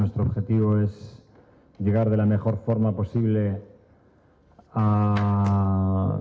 anda tahu tujuan kami adalah mencapai kemampuan terbaik